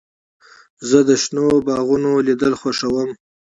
زه د شنو باغونو لیدل خوښوم.